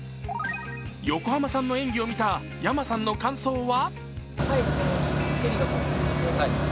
横浜さんの演技を見たｙａｍａさんの感想は？